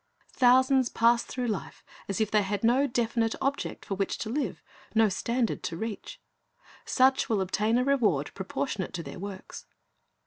Thousands pass through life as if they had no definite object for which to live, no standard to reach. Such will obtain a reward proportionate to their works.